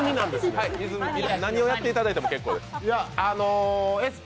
何をやっていただいても結構です。